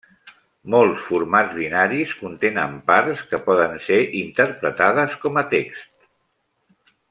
Molts formats binaris contenen parts que poden ser interpretades com a text.